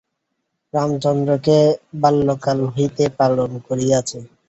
রামচন্দ্রকে বাল্যকাল হইতে পালন করিয়াছে।